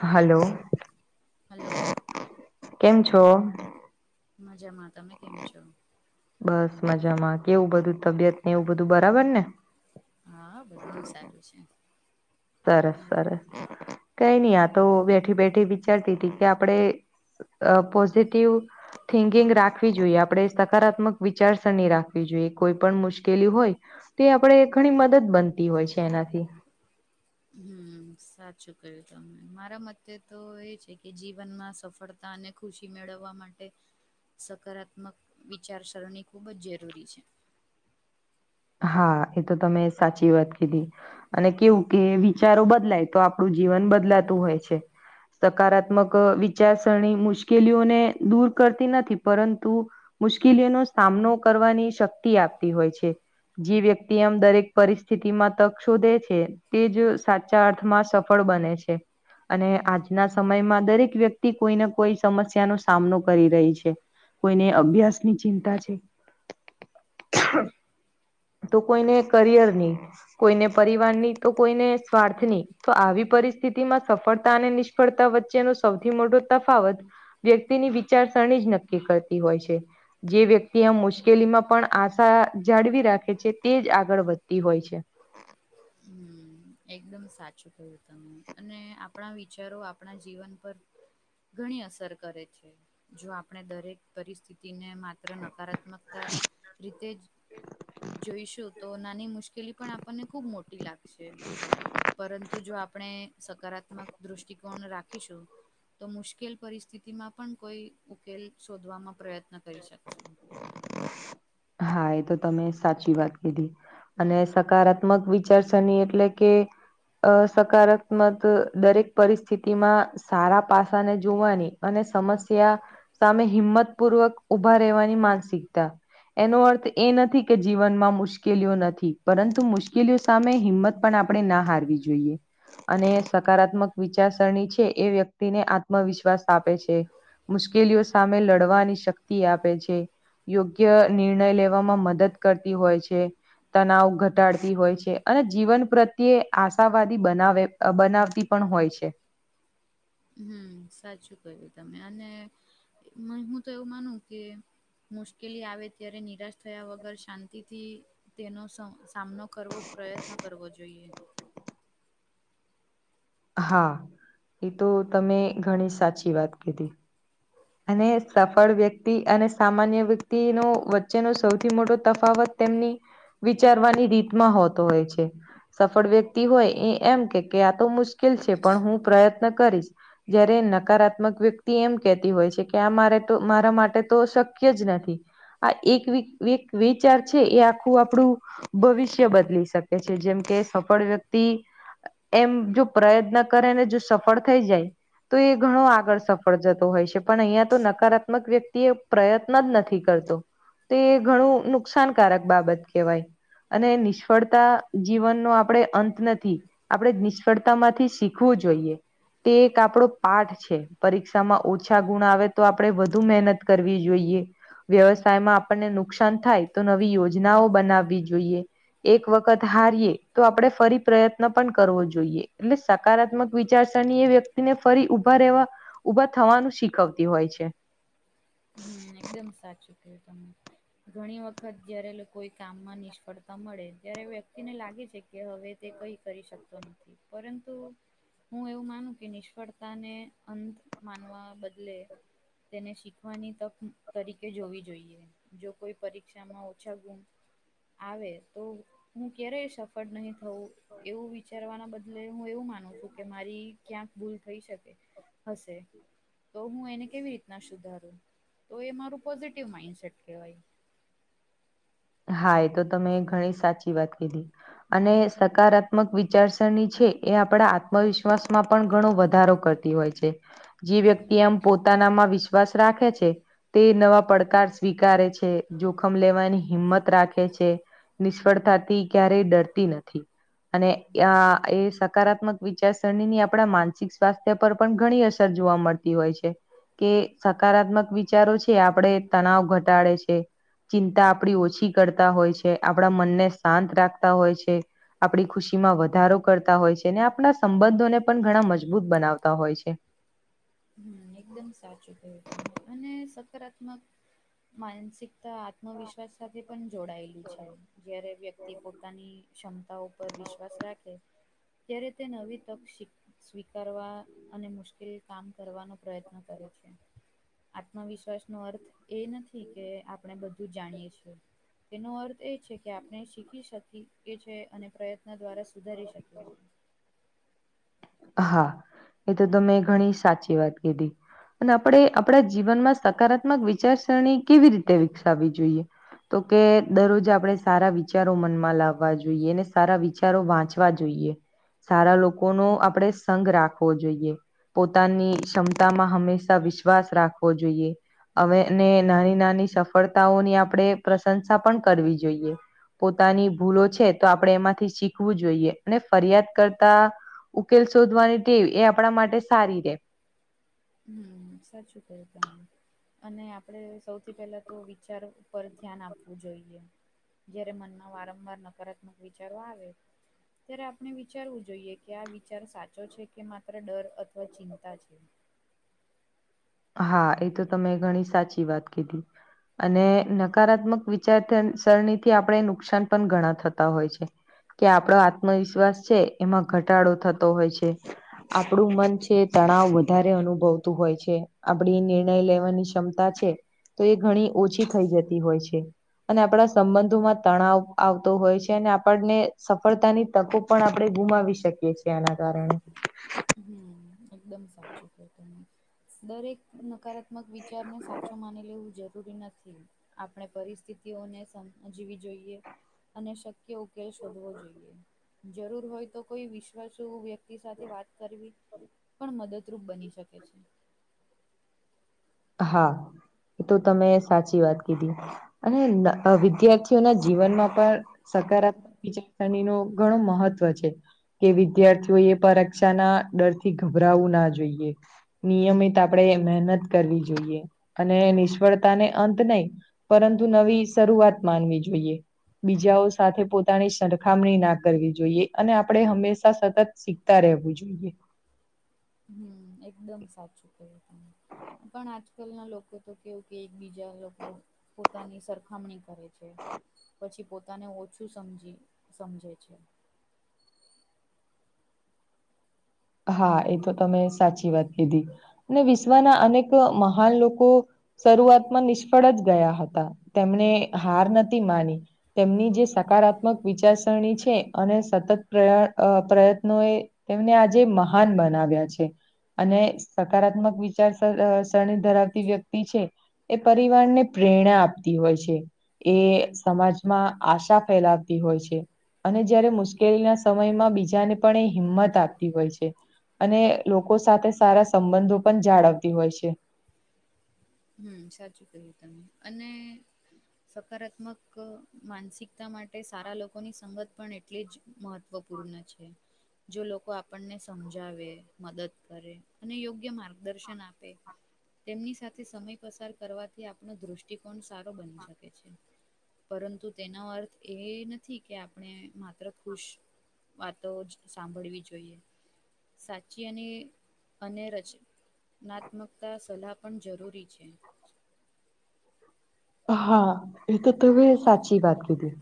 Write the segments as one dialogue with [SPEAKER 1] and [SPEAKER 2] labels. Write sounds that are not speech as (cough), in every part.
[SPEAKER 1] Hello
[SPEAKER 2] hello
[SPEAKER 1] કેમ છો.?
[SPEAKER 2] મજામાં. તમે કેમ છો.?
[SPEAKER 1] બસ મજામાં કેવું બધું તબિયત ને એવું બધું બરાબર ને
[SPEAKER 2] હા બધું સારું છે.
[SPEAKER 1] સરસ
[SPEAKER 2] હમ
[SPEAKER 1] સરસ કઈ નઈ આ તો બેઠી બેઠી વિચારતી હતી કે આપડે અ પોઝિટિવ (inaudible) થિંકિંગ રાખવી જોઈએ આપણે સકારાત્મક વિચારસરણી રાખવી જોઈએ કોઈ પણ મુશ્કેલી હોય, તે આપણે ઘણી મદદ બનતી હોય છે એનાથી,
[SPEAKER 2] હમ સાચું કયું તમે મારા મતે તો એ છે કે જીવનમાં સફળતા, તાને ખુશી મેળવવા માટે સકારાત્મક વિચારસરણી ખૂબ જ જરૂરી છે.
[SPEAKER 1] હા એ તો તમે સાચી વાત કીધી અને કેવું કે વિચારો બદલાય તો આપણું જીવન બદલાતું હોય છે સકારાત્મક વિચારસરણી મુશ્કેલીઓને દૂર કરતી નથી પરંતુ મુશ્કેલીઓનો સામનો કરવાની શક્તિ આપતી હોય છે. જે વ્યક્તિ એમ દરેક પરિસ્થિતિ માં તક શોધે છે. તે જ સાચા અર્થમાં સફળ બને છે. અને આજના સમયમાં દરેક વ્યક્તિ કોઈને કોઈ સમસ્યાનો સામનો કરી રહી છે. કોઈને અભ્યાસ ની ચિંતા છે, તો કોઈને કરિયર ની કોઈને પરિવારની તો કોઈને સ્વાર્થની, તો આવી પરિસ્થિતિમાં સફળતા અને નિષ્ફળતા વચ્ચેનો સૌથી મોટો તફાવત, વ્યક્તિની વિચારસરણી જ નક્કી કરતી હોય છે જે વ્યક્તિ આ મુશ્કેલીમાં પણ આશા જાળવી રાખે, કે જે તે જ આગળ વધતી હોય છે
[SPEAKER 2] હમ એકદમ સાચું કયું તમે અને આપણા વિચારો આપણા જીવન પર ઘણી અસર કરે છે જો આપણે દરેક પરિસ્થિતિને. માત્ર નકારાત્મકતા રીતે જ. જોઈશું તો નાની મુશ્કેલી પણ આપણને ખુબ મોટી લાગશે. પરંતુ જો આપણે સકારાત્મક દ્રષ્ટિકોણ. રાખીશું તો મુશ્કેલ પરિસ્થિતિમાં પણ કોઈ ઉકેલ શોધવામાં પ્રયત્ન. ન કરી શકશું.
[SPEAKER 1] તો (unintelligible) હા એ તો તમે સાચી વાત કીધી. અને સકારાત્મક વિચારસરણી એટલે કે, અ સકારાત્મક દરેક પરિસ્થિતિમાં. સારા પાસાને જોવાની અને સમસ્યા. સામે હિંમત પૂર્વક ઊભા રહેવાની માનસિકતા. એનો અર્થ એ નથી કે જીવનમાં મુશ્કેલીઓ નથી પરંતુ સામે હિંમત. પણ આપણે ના હારવી જોઈએ. અને સકારાત્મક વિચારસરણી છે એ વ્યક્તિને આત્મવિશ્વાસ આપે છે. મુશ્કેલીઓ સામે લડવાની શક્તિ આપે છે યોગ્ય. નિર્ણય લેવામાં મદદ કરતી હોય છે. તનાવ ઘટાડતી હોય છે અને જીવન પ્રત્યે આશાવાદી બનાવે. બનાવતી પણ હોય છે.
[SPEAKER 2] હમ સાચું કહ્યું તમે અને હું તો એવું માનું કે, મુશ્કેલી આવે ત્યારે નિરાશ થયા વગર શાંતિથી તેનો. સામનો કરવો પ્રયત્ન કરવો જોઈએ.
[SPEAKER 1] હા એ તો તમે ઘણી સાચી વાત કીધી. અને સફળ વ્યક્તિ અને સામાન્ય વ્યક્તિનો વચ્ચેનો સૌથી મોટો તફાવત તેમની. વિચારવાની રીતમાં હોતો હોય છે. સફળ વ્યક્તિ હોય એ એમ કે કે આ તો મુશ્કેલ છે. પણ હું પ્રયત્ન કરીશ. જયારે નકારાત્મક વ્યક્તિ એમ કેતી હોય છે. કે આ મારે મારા માટે તો શક્ય જ નથી. આ એક વિચાર છે એ આખું આપણું. ભવિષ્ય બદલી શકે છે. જેમ કે સફળ વ્યક્તિ. એમ જો પ્રયત્ન કરે ને જો સફળ થઈ જાય. તો એ ઘણો આગળ સફળ જતો હોય છે. પણ અહિયા તો નકારાત્મક વ્યક્તિ એ પ્રયત્ન જ નથી કરતો. તે ઘણું નુકસાનકારક બાબત કહેવાય. અને નિષ્ફળતા જીવનનો આપણે અંત નથી.. આપણે નિષ્ફળતા માંથી શીખવું જોઈએ. તે એક આપડો પાઠ છે પરીક્ષામાં ઓછા ગુણ આવે તો આપણે વધુ મહેનત કરવી જોઈએ વ્યવસાયમાં આપણને નુકસાન થાય તો નવી યોજનાઓ બનાવવી જોઈએ. એક વખત હારીએ તો આપણે ફરી પ્રયત્ન પણ કરવો જોઈએ એટલે સકારાત્મક વિચારસરણી એ વ્યક્તિને ફરી ઉભા રહેવા ઉભા થવાનું શીખવતી હોય છે.
[SPEAKER 2] હમ એકદમ સાચું કહ્યું તમે. ઘણી વખત જયારે લોકોએ કામમાં નિષ્ફળતા મળે ત્યારે વ્યક્તિને લાગે છે કે હવે તે કઈ કરી શકતો નથી પરંતુ હું એવું માનું કે નિષ્ફળતાને અંત માનવા બદલે તેને ખવાની તક તરીકે જોવી જોઈએ. જો કોઈ પરીક્ષામાં ઓછા ગુ આવે તો, હું ક્યારેય સફળ નહી થવું. એવું વિચારવાના બદલે હું એવું માનું છું કે, મારી ક્યાંક ભૂલ થઈ શકે. અસે, તો હું એને કેવી રીતના સુધારુ? તો એ મારું પોઝીટીવ માઇન્ડસેટ કેવાય.
[SPEAKER 1] હા, એ તો તમે ઘણી સાચી વાત કીધી. અને સકારાત્મક વિચારસરણી છે, એ આપણા આત્મવિશ્વાસમાં પણ ઘણો વધારો કર તી ઓય છે, જે વ્યક્તિ એમ પોતાનામાં વિશ્વાસ રાખે છે. તે નવા પડકાર સ્વીકારે છે, જોખમ લેવાની હિંમત રાખે છે, નિષ્ફળતાથી ક્યારેય ડરતી નથી. અને યા એ સકારાત્મક વિચારસરણીની આપણા માનસિક સ્વાસ્થ્ય પર પણ ઘણી અસર મળતી હોય છે. કે સકારાત્મક વિચારો છે, આપડે તણાવ ઘટાડે છે, ચિંતા પડી ઓછી કરતા હોય છે, આપણા મનને શાંત રાખતા હોય છે. આપણી ખુશી માં વધારો કરતા હોય છે, ને આપણા સંબંધોને પણ ઘણા મજબૂત બનાવતા હોય છે.
[SPEAKER 2] એકદમ સાચું કહ્યું તમે અને સકારાત્મક માનસિક તા આત્મવિશ્ર્વાસ સાથે પણ જોડાયેલું છે. જયારે વ્યક્તિ પોતાની ક્ષમતા ઉપર વિશ્વાસ રાખે, ત્યારે તે નવી તક શ્વીક સ્વીકારવા અને મુશ્કેલી કામ કરવાનો પ્રયત્ન કરે છે. આત્મવિશ્વાસ નો અર્થ એ નથી કે આપણે બધું જાણીએ છીએ, તેનો અર્થ એ છે કે, આપણે શીખી શકીએ એ છે અને પ્રયત્ન દ્વારા સુધારી શકીએ છીએ.
[SPEAKER 1] હા, એ તો તમે ઘણી સાચી વાત કીધી. અને આપડણે આપડણા જીવનમાં સકારાત્મક વિચારસરણી કેવી રીતે વિકસાવવી જોઈએ? તો કે દરરોજ આપણેે સારા વિચારો મનમાં લાવવા જોઈએ, ને સારા વિચ્ ચારો વાંચવા જોઈએ. સારા લોકોનો આપડણેે સંઘ રાખવો જોઈએ. પોતાની શમતામાં હંમેશા વિશ્વાસ રાખવો જોઈએ. અવે ને નાની નાની સફળતાઓની આપડણેે પ્રશંસા પણ કરવી જોઈએ. પોતાની ભૂલો છે, તો આપણે એમાંથી શીખવું જોઈએ, ને ફરિયાદ કરતા ઉકેલ સોધવાની ટેવ એ આપણા માટે સારી રે.
[SPEAKER 2] હમ્મ, સાચું કયું તમે. અને આપણે સૌથી પેલા તો વિચાર ઉપર ધ્યાન આપવું જોઈએ. જયારે મનમાં વારંવાર નકારાત્મક વિચારો આવે ત્યારે આપણે વિચારવું જોઈએ કે, આ વિચાર સાચો છે કે માત્ર ડર અથવા ચિંતા છે.
[SPEAKER 1] હા, એ તો તમે ઘણી સાચી વાત કીધી. અને નકારાત્મક વિચારધ સરણીથી આપણે નુકસાન પણ ઘણા થતા હોય છે. કે આપડો આત્મવિશ્વાસ છે, એમાં ઘટાડો થતો હોય છે. આપણું મન છે, તણાવ વધારે અનુભવતું હોય છે. આપડી નિર્ણય લેવાની ક્ષમતા છે, તો એ ઘણી ઓછી થઈ જતી હોય છે. અને આપડણા સંબંધોમાં તણાવ આવતો હોય છે, ને આપણને સફળતાની તકો પણ આપણે ગુમાવી શકીએ છીએ, એના કારણે.
[SPEAKER 2] હમ્મ, એકદમ સાચું કયુ તમે. દરેક નકારાત્ મક વિચારને સાચો માની લેવું જરૂરી નથી. આપણે પરિસ્થિતિઓને સમંજ્વી જોઈએ. અને શક્ય ઉકેલ શોધવો જોઈએ, જરૂર હોય તો, કોઈ વિશ્વાસુ વ્ય એ સાથે વાત કરવી પણ મદદરૂપ બની શકે છે.
[SPEAKER 1] હા એ તો તમે સાચી વાત કીધી. અને વિદ્યાર્થીઓના જીવનમાં પણ સકારાત્મક (unintelligible) નું ઘણું મહત્વ છે. કે વિદ્યાર્થીઓ એ પરીક્ષા ના ડરથી ગભરાવું ના જોઈએ. નિયમિત આપણેે મહેનત કરવી જોઈએ અને નિષ્ફળતા ને અંત નય પરંતુ નવી શરૂઆત માનવી જોઈએ. બીજાઓ સાથે પોતાની સરખામણી ના કરવી જોઈએ અને આપણે હંમેશા સતત શીખતા રહેવું જોઈએ.
[SPEAKER 2] હમ્મ એકદમ સાચું ક્યું તમે પણ આજકાલ ના લોકો તો કેવું કે એક બીજા લોકો પોતાની સરકાર ખામણી કરે છે પછી પોતાને ઓછું સમજી સમજે છે.
[SPEAKER 1] હા એ તમે સાચી વાત કીધી અને વિશ્વના અનેક મહાન લોકો શરૂઆતમાં નિષ્ફળ જ ગયા હતા તેમને હાર નથી માની તેમની જે સકારાત્મક વિચારસરણી છે અને સતત (unintelligible) પ્ર પ્રયત્નો એ તેમને આજે મહાન બનાવ્યા છે. અને સકારાત્મક વિચાર શરણી ધરાવતી વ્યક્તિ છે. એ પરિવાર ને પ્રેરણા આપતી હોય છે. એ સમાજમાં આશા ફેલાવતી હોય છે. અને જયારે મુશ્કેલીના સમયમાં બીજાને પણ એ હિંમત આપ તી હોય છે અને લોકો સાથે સારા સંબંધો પણ જાળવતી હોય છે.
[SPEAKER 2] હમ્મ સાચું કહ્યું તમે અને સકારાત્મક માનસિકતા માટે સારા લોકોની સંગત પણ એ એટલે જ મહત્વપૂર્ણ છે. જો લોકો આપણને સમજાવે મદદ કરે અને યોગ્ય માર્ગ દર્શન આપે એમની સાથે થી સમય પસાર કરવાથી આપણો દ્રષ્ટિકોણ સારો બની શકે છે. પરંતુ તેનો અર્થ એ નથી કે આપણે માત્ર ખુશ વાતો જ સાંભળવી જોઈએ. સાચી અને રચનાત્મકતા સલાહ પણ જરૂરી છે.
[SPEAKER 1] હા એ તો તમે સાચી વાત કીધી.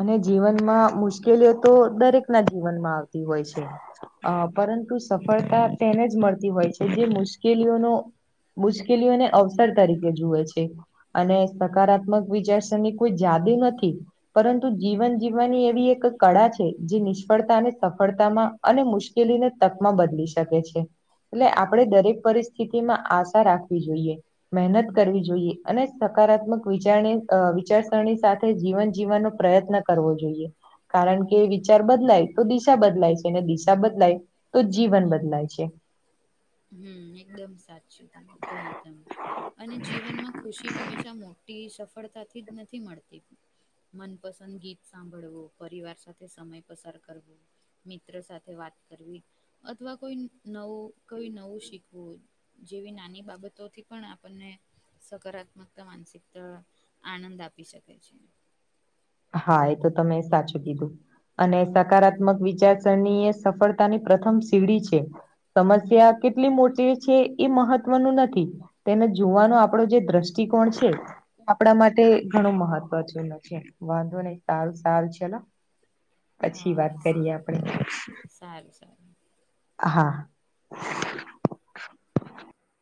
[SPEAKER 1] અને જીવનમાં મુશ્કેલીઓ તો દરેક ના જીવનમાં આવતી હોય છે. અ પરંતુ સફળતા તેને જ મળતી હોય છે જે મુશ્કેલીઓનો મુશ્કેલીઓને અવસર તરીકે જુએ છે. અને સકારાત્મક વિચારસરની કોઈ જાદુ નથી. પરંતુ જીવન જીવવાની એવી એક કળા છે જે નિષ્ફળતા અને સફળતામાં અને મુશ્કેલીને તકમાં બદલી શકે છે. એટલે આપડે દરેક પરિસ્થિતિ માં આશા રાખવી જોઈએ મહેનત કરવી જોઈએ અને સકારાત્મક વિચાર વિચારસરણી સાથે જીવન જીવવાનો પ્રયત્ન કરવો જોઈએ. કારણ કે વિચાર બદલાય તો દિશા બદલાય છે ને દિશા બદલાય તો જ જીવન બદલાય છે.
[SPEAKER 2] હમ એકદમ સા છે કહ્યું તમે અને જીવનમાં ખુશી હંમેશા મોટી સફળતાથી જ ન નથી મળતી મનપસંદ ગીત સાંભળવું પરિવાર સાથે સમય પસાર કરવો મિત્રો સાથે વાત કરવી અથવા કોઈ નવું કોઈ નવું શીખ હમમ જેવી નાની બાબતોથી પણ આપણને સકારાત્મકતા માનસિકતા આનંદ આપી શકે છે.
[SPEAKER 1] હા એ તો તમે સાચું કીધું. અને સકારાત્મક વિચારસરની એ સફળતાની પ્રથમ સીડી છે સમસ્યા કેટલી મોટી છે એ મહત્વનું નથી. તેને જોવાનો આપણો જે દ્રષ્ટિકોણ છે આપણા માટે ઘણું મહત્વ જેનું છે વાંધો નહી સારું સારું ચાલો. પછી
[SPEAKER 2] હા
[SPEAKER 1] વાત
[SPEAKER 2] હા
[SPEAKER 1] કરીએ (inaudible)
[SPEAKER 2] સારું
[SPEAKER 1] આપણેે
[SPEAKER 2] સારું સારું
[SPEAKER 1] હા.